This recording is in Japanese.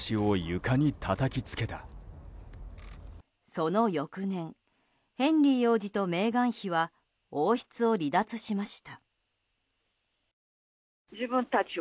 その翌年ヘンリー王子とメーガン妃は王室を離脱しました。